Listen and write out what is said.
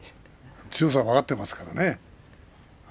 強さ分かっているからね。